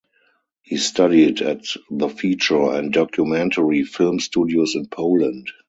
He studied at the Feature and Documentary Film Studios in Poland.